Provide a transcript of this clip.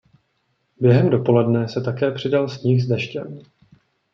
Během dopoledne se také přidal sníh s deštěm.